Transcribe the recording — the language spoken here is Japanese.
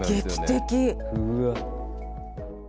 うわ。